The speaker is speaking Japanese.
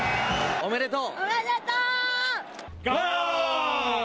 おめでとう。